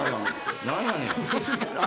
何やねん。